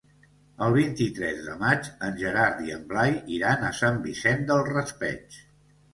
El vint-i-tres de maig en Gerard i en Blai iran a Sant Vicent del Raspeig.